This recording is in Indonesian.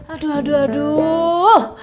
aduh aduh aduh